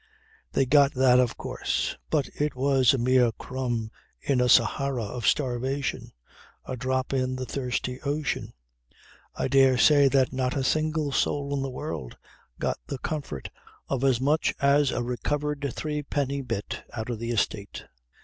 They got that of course; but it was a mere crumb in a Sahara of starvation, a drop in the thirsty ocean. I dare say that not a single soul in the world got the comfort of as much as a recovered threepenny bit out of the estate.